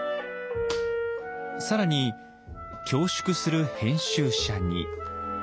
更に恐縮する編集者に。